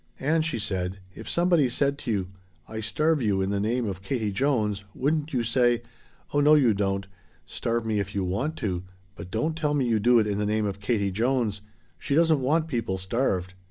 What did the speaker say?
"Ann," she said, "if somebody said to you, 'I starve you in the name of Katie Jones,' wouldn't you say, 'Oh no you don't. Starve me if you want to, but don't tell me you do it in the name of Katie Jones. She doesn't want people starved!'"